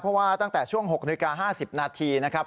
เพราะว่าตั้งแต่ช่วง๖นาฬิกา๕๐นาทีนะครับ